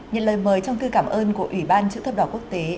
nhân lời mời trong cư cảm ơn của ủy ban chữ thấp đỏ quốc tế